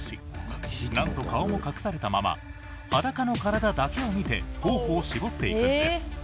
なんと顔も隠されたまま裸の体だけを見て候補を絞っていくんです。